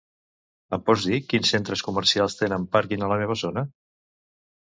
Em pots dir quins centres comercials tenen pàrquing a la meva zona?